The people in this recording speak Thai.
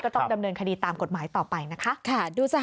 ต้องดำเนินคดีตามกฎหมายต่อไปนะคะ